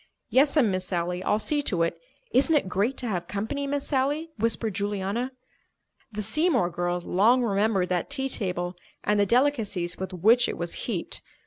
"Yes'm, Miss Sally, I'll see to it. Isn't it great to have company, Miss Sally?" whispered Juliana. The Seymour girls long remembered that tea table and the delicacies with which it was heaped.